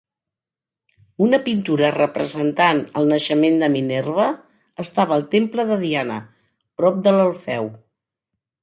Una pintura representant el naixement de Minerva estava al temple de Diana, prop de l'Alfeu.